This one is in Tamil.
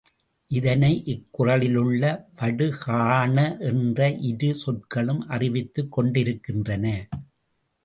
இதனை இக்குறளிலுள்ள வடு, காண என்ற இரு சொற்களும் அறிவித்துக் கொண்டிருக்கின்றன.